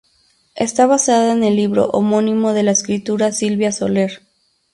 Está basada en el libro homónimo de la escritora Silvia Soler.